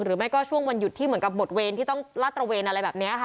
หรือไม่ก็ช่วงวันหยุดที่เหมือนกับบทเวรที่ต้องลาดตระเวนอะไรแบบนี้ค่ะ